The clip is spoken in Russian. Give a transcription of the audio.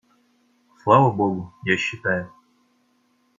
Слава Богу, я считаю.